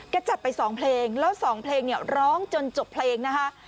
จัดไป๒เพลงแล้ว๒เพลงเนี่ยร้องจนจบเพลงนะคะ